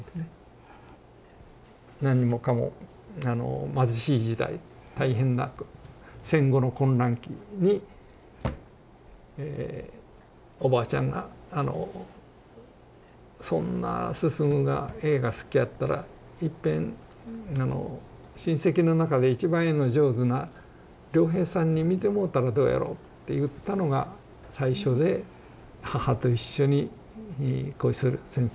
何もかもあの貧しい時代大変な戦後の混乱期にえおばあちゃんがあの「そんな晋が絵が好きやったらいっぺん親戚の中で一番絵の上手な良平さんに見てもろたらどうやろ？」って言ったのが最初で母と一緒に小磯先生の疎開先だった魚崎に会いに行きました。